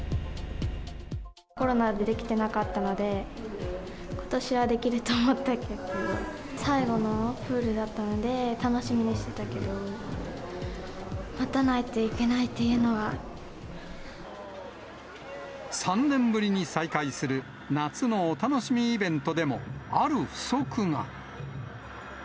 コロナでできていなかったので、ことしはできると思っていたけど、最後のプールだったので、楽しみにしてたけど、３年ぶりに再開する夏のお楽しみイベントでも、ある不足が。